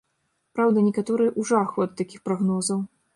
Праўда, некаторыя ў жаху ад такіх прагнозаў.